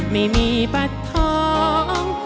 ไม่มีบัตรทอง